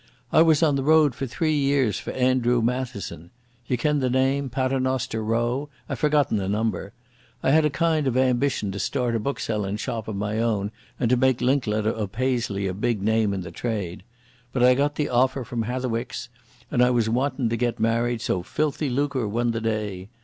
I was on the road for three years for Andrew Matheson. Ye ken the name—Paternoster Row—I've forgotten the number. I had a kind of ambition to start a book sellin' shop of my own and to make Linklater o' Paisley a big name in the trade. But I got the offer from Hatherwick's, and I was wantin' to get married, so filthy lucre won the day.